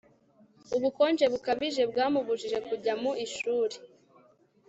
ubukonje bukabije bwamubujije kujya mu ishuri